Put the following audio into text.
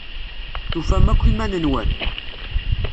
Tufam akk iman-nwen?